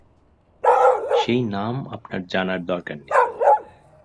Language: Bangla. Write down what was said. সেই নাম আপনার জানার দরকার নেই।